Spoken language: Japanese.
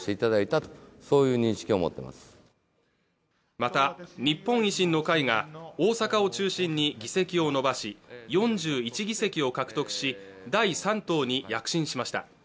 また日本維新の会が大阪を中心に議席を伸ばし４１議席を獲得し第３党に躍進しました